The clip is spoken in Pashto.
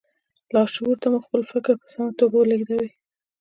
لاشعور ته مو خپل فکر په سمه توګه ولېږدوئ